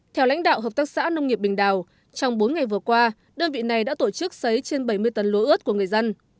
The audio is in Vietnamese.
theo lãnh đạo hợp tác xã nông nghiệp bình đào trong bốn ngày vừa qua đơn vị này đã tổ chức xấy trên bảy mươi tấn lúa ướt của người dân